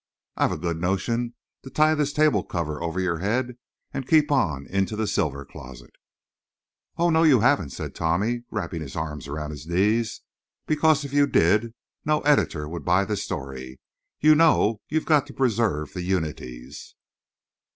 I've a good notion to tie this table cover over your head and keep on into the silver closet." "Oh, no, you haven't," said Tommy, wrapping his arms around his knees. "Because if you did no editor would buy the story. You know you've got to preserve the unities."